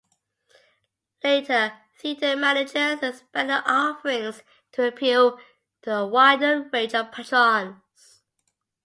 Later theatre managers expanded the offerings to appeal to a wider range of patrons.